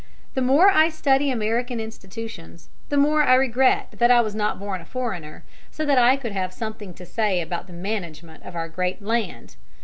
The more I study American institutions the more I regret that I was not born a foreigner, so that I could have something to say about the management of our great land.